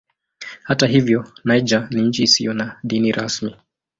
Hata hivyo Niger ni nchi isiyo na dini rasmi.